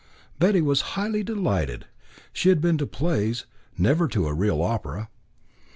Betty was highly delighted. She had been to plays, never to a real opera.